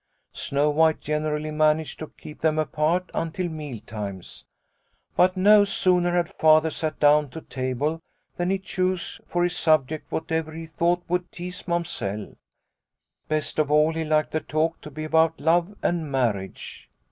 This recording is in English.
" Snow White generally managed to keep them apart until meal times, but no sooner had Father sat down to table than he chose for his subject whatever he thought would tease Mamsell. Best of all he liked the talk to be about love and marriage.